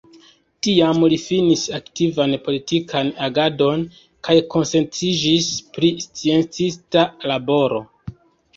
Tiam li finis aktivan politikan agadon kaj koncentriĝis pri sciencista laboro.